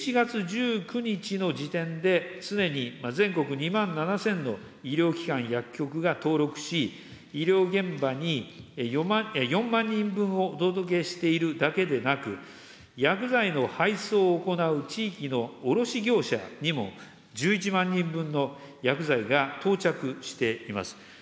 １月１９日の時点で、すでに全国２万７０００の医療機関、薬局が登録し、医療現場に４万人分をお届けしているだけでなく、薬剤の配送を行う地域の卸業者にも、１１万人分の薬剤が到着しています。